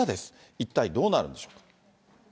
一体どうなるんでしょうか。